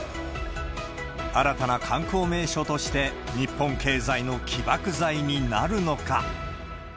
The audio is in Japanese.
新たな観光名所として、日本経済の起爆剤になるのか。